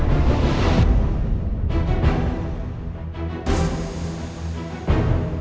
papa pulang duluan ya